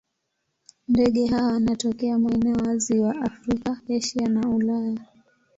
Ndege hawa wanatokea maeneo wazi wa Afrika, Asia na Ulaya.